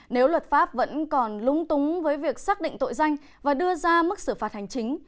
nếu luật pháp vẫn còn lúng túng với việc xác định tội danh và đưa ra mức xử phạt hành chính